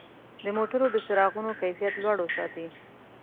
د موټرو د څراغونو کیفیت لوړ وساتئ.